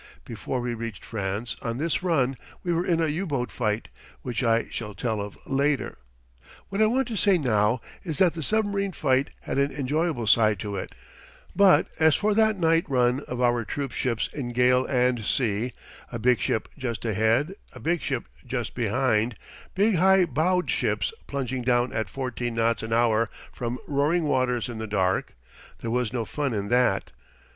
Before we reached France on this run we were in a U boat fight, which I shall tell of later. What I want to say now is that the submarine fight had an enjoyable side to it, but as for that night run of our troop ships in gale and sea a big ship just ahead, a big ship just behind, big high bowed ships plunging down at fourteen knots an hour from roaring waters in the dark there was no fun in that!